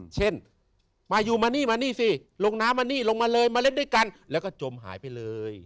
เช่นมาอยู่มานี่มานี่สิลงน้ำมานี่ลงมาเลยมาเล่นด้วยกันแล้วก็จมหายไปเลย